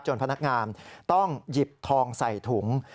พนักงานต้องหยิบทองใส่ถุง